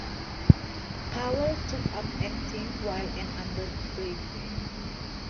Powell took up acting while an undergraduate.